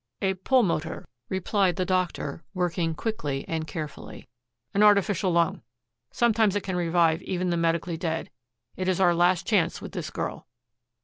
"A pulmotor," replied the doctor, working quickly and carefully, "an artificial lung. Sometimes it can revive even the medically dead. It is our last chance with this girl."